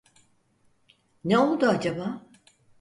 Ne oldu acaba?